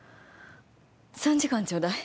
３時間ちょうだい。